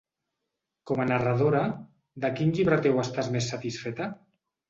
Com a narradora, de quin llibre teu estàs més satisfeta?